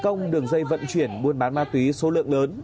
công đường dây vận chuyển buôn bán ma túy số lượng lớn